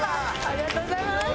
ありがとうございます！